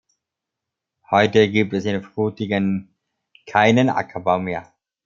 Heute gibt es in Frutigen keinen Ackerbau mehr.